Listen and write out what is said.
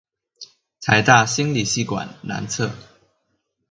臺大心理系館南側